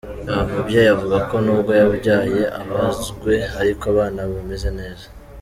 Uyu mubyeyi avuga ko nubwo yabyaye abazwe ariko abana bameze neza.